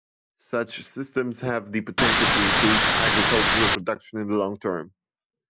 Such systems have the potential to increase agricultural production in the long term.